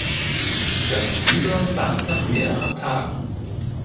Das Fieber sank nach mehreren Tagen.